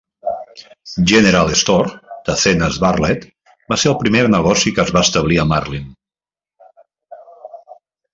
General Store, de Zenas Barlett, va ser el primer negoci que es va establir a Marlin.